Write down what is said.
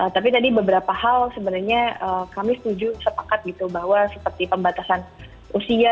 tapi tadi beberapa hal sebenarnya kami setuju sepakat gitu bahwa seperti pembatasan usia